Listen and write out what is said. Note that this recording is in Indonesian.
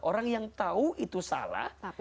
orang yang tahu itu salah